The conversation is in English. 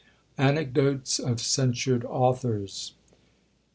ANECDOTES OF CENSURED AUTHORS.